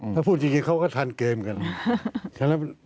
ถ้าพูดจริงเขาก็ทันเกมกันฉะนั้น